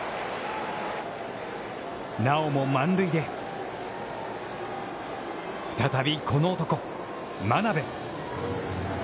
なおも満塁で再びこの男、真鍋。